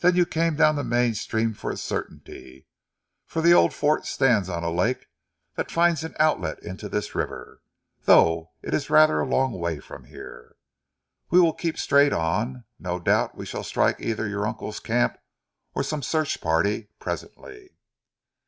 "Then you came down the main stream for a certainty, for the old fort stands on a lake that finds an outlet into this river, though it is rather a long way from here. We will keep straight on. No doubt we shall strike either your uncle's camp or some search party presently."